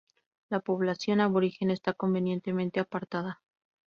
La población aborigen está convenientemente apartada.